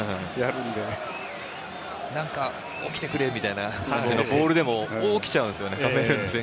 何か起きてくれみたいな感じのボールでも起きちゃうんですよね。